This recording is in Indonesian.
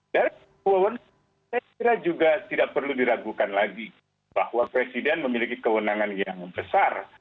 dari kewenangan saya kira juga tidak perlu diragukan lagi bahwa presiden memiliki kewenangan yang besar